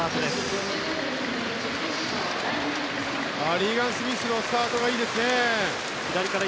リーガン・スミスのスタートがいいですね。